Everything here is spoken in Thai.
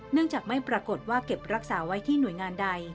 เนื่องจากไม่ปรากฏว่าเก็บรักษาไว้ที่หน่วยงานใด